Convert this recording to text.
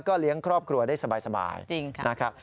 เลี้ยงครอบครัวได้สบายนะครับ